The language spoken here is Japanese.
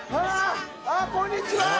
あぁこんにちは。